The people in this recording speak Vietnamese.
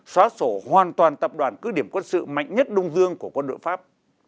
xóa sổ hoàn toàn tập đoàn cứ điểm quân sự mạnh nhất đông dương của quân đội pháp